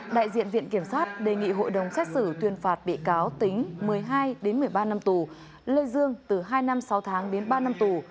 đại diện viện kiểm sát đề nghị hội đồng xét xử tuyên phạt bị cáo tính một mươi hai một mươi ba năm tù lê dương từ hai năm sáu tháng đến ba năm tù